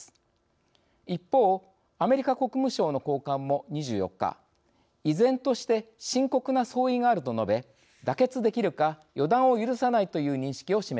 一方アメリカ国務省の高官も２４日依然として深刻な相違があると述べ妥結できるか予断を許さないという認識を示しました。